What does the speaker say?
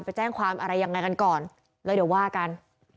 ไปแจ้งความอะไรยังไงกันก่อนแล้วเดี๋ยวว่ากัน